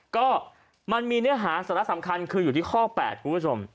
ก็มันมีเนื้อหาสาระสำคัญคืออยู่ที่ข้อ๘คุณผู้ชม